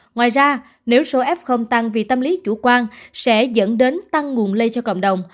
ngoài ra nếu số f tăng vì tâm lý chủ quan sẽ dẫn đến tăng nguồn lây cho cộng đồng